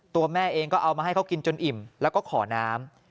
ตัวแม่เองก็เอามาให้เขากินจนอิ่มแล้วก็ขอน้ำ